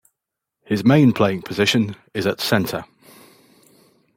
His main playing position is at centre.